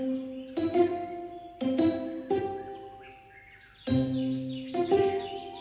hanya rambutnya yang sedikit menjulur keluar